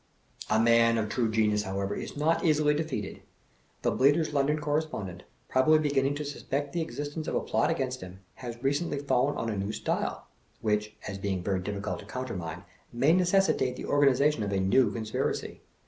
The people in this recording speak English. A man of true genius, however, is not easily defeated. The Bleater* s London Correspondent, probably beginning to suspect the existence of a plot against him, has recently fallen on a new style, which, as being very difficult to countermine, may necessitate the organization of a new conspiracy.